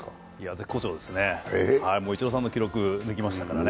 絶好調ですね、イチローさんの記録抜きましたからね。